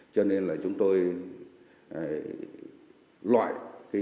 cho nên là chúng tôi loại cái